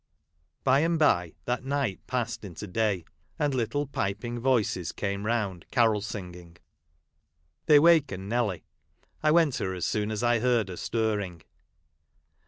By and by that night passed into day ; and little piping voices came iwind, carol singing. They wakened Nelly. I went to her as soon as I heard her stirring.